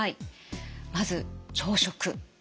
まず朝食。